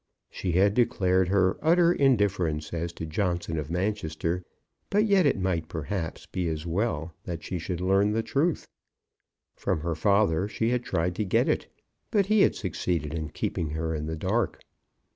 She had declared her utter indifference as to Johnson of Manchester; but yet it might, perhaps, be as well that she should learn the truth. From her father she had tried to get it, but he had succeeded in keeping her in the dark.